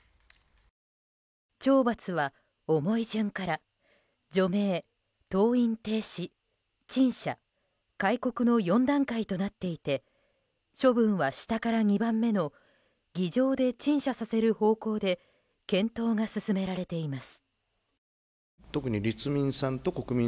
懲罰は重い順から除名、登院停止、陳謝、戒告の４段階となっていて処分は下から２番目の議場で陳謝させる方向で検討が進められています。